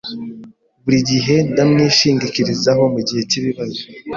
Buri gihe ndamwishingikirizaho mugihe cyibibazo.